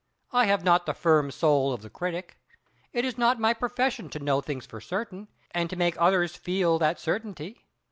I have not the firm soul of the critic. It is not my profession to know 'things for certain, and to make others feel that certainty.